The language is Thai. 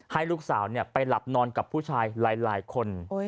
ให้ลูกสาวไปหลับนอนกับผู้ชายหลายคน